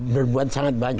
berbuat sangat banyak